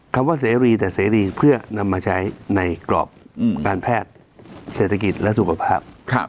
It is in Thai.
คำว่าเสรีแต่เสรีเพื่อนำมาใช้ในกรอบการแพทย์เศรษฐกิจและสุขภาพ